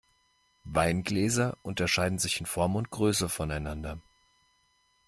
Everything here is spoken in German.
Weingläser unterscheiden sich in Form und Größe voneinander.